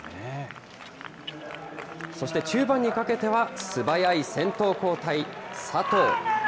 そして、中盤にかけては素早い先頭交代、佐藤。